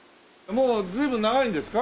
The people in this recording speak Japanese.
もう随分長いんですか？